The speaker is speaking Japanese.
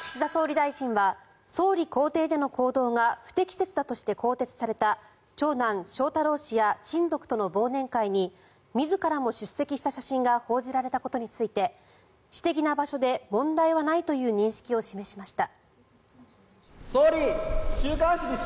岸田総理大臣は総理公邸での行動が不適切だとして更迭された長男・翔太郎氏や親族との忘年会に自らも出席した写真が報じられたことについて私的な場所で問題はないという認識を示しました。